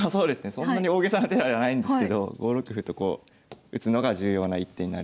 そんなに大げさな手ではないんですけど５六歩とこう打つのが重要な一手になります。